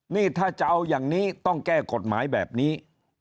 นี่ถ้าจะเอาอย่างนี้ต้องแก้กฎหมายแบบนี้